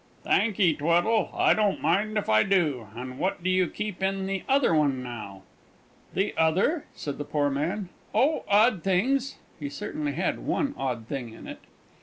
"Thank 'ee, Tweddle; I don't mind if I do. And what do you keep in the other one, now?" "The other?" said the poor man. "Oh, odd things!" (He certainly had one odd thing in it.)